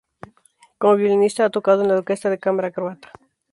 Como violinista, ha tocado en la Orquesta de Cámara Croata.